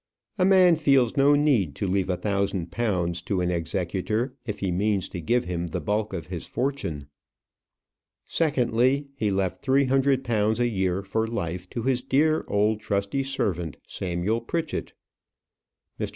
A man feels no need to leave a thousand pounds to an executor if he means to give him the bulk of his fortune. Secondly, he left three hundred pounds a year for life to his dear, old, trusty servant, Samuel Pritchett. Mr.